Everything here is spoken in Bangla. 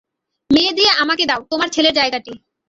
মেয়ে দিয়ে আমাকে দাও তোমার ছেলের জায়গাটি।